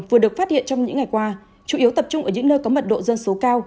vừa được phát hiện trong những ngày qua chủ yếu tập trung ở những nơi có mật độ dân số cao